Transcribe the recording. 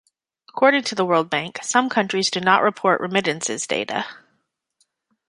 According to the World Bank, some countries do not report remittances data.